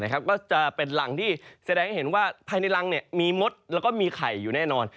ก็จะเป็นรังที่แสดงให้เห็นว่าภายในรังมีมดแล้วก็มีไข่อยู่แน่นอน